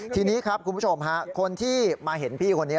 ทีนี้ครับคุณผู้ชมฮะคนที่มาเห็นพี่คนนี้